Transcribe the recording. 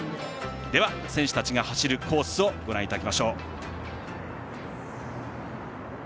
では、選手たちが走るコースをご覧いただきましょう。